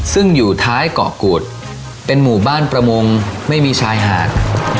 ซึ่งอยู่ท้ายเกาะกูดเป็นหมู่บ้านประมงไม่มีชายหาด